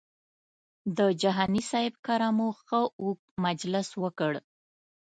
د جهاني صاحب کره مو ښه اوږد مجلس وکړ.